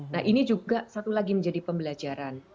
nah ini juga satu lagi menjadi pembelajaran